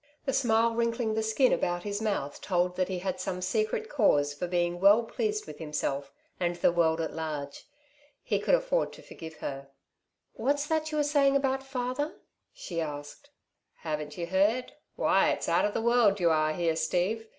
The smile wrinkling the skin about his mouth told that he had some secret cause for being well pleased with himself and the world at large. He could afford to forgive her. "What's that you were saying about father?" she asked. "Haven't you heard? Why it's out of the world you are here, Steve.